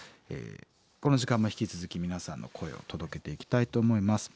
この時間も引き続き皆さんの声を届けていきたいと思います。